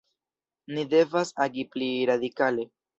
Ni devas agi pli radikale.